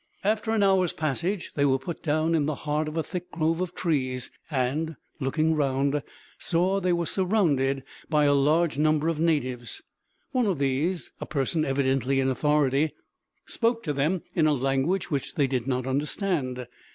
After an hour's passage they were put down in the heart of a thick grove of trees and, looking round, saw they were surrounded by a large number of natives. One of these, a person evidently in authority, spoke to them in a language which they did not understand.